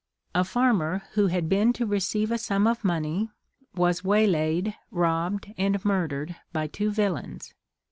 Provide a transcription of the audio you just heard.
A farmer, who had been to receive a sum of money, was waylaid, robbed, and murdered, by two villains.